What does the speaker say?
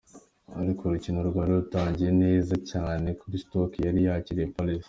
Ariko urukino rwari rwatanguye neza cane kuri Stoke yari yakiriye Palace.